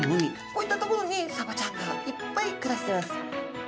こういった所にサバちゃんがいっぱい暮らしてます。